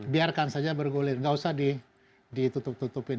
biarkan saja bergulir nggak usah ditutup tutupin